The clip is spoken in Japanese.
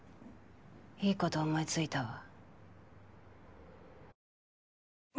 いいこと思いついたわ。